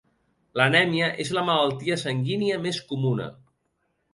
L'anèmia és la malaltia sanguínia més comuna.